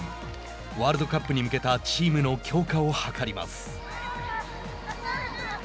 ワールドカップに向けたチームの強化を図ります。